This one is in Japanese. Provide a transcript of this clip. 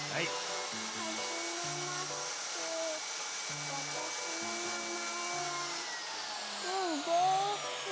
はじめましてわたしのなまえはスイです。